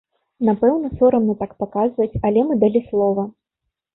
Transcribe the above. Напэўна, сорамна так паказваць, але мы далі слова!